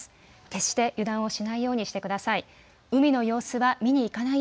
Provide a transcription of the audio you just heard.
決して油断をしないようにしてください。